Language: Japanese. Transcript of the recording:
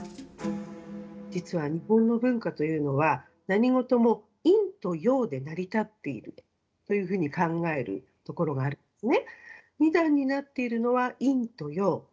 実は日本の文化というのは、何事も陰と陽で成り立っているというふうに考えるところがあるんですね。